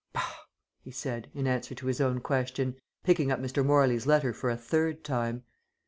"Bah!" he said in answer to his own question, picking up Mr. Morley's letter for a third time.